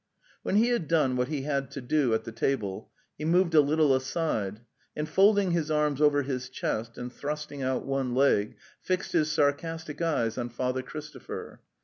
When he had done what he had to do at the table he moved a little aside, and, folding his arms over his chest and thrusting out one leg, fixed his sarcastic eyes on Father Christopher.